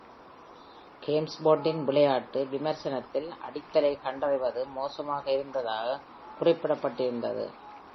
கேம்ஸ்பாட்டின் விளையாட்டு விமர்சனத்தில், அடித்தலை கண்டறிவது மோசமாக இருந்ததாக குறிப்பிடப்பட்டிருந்தது.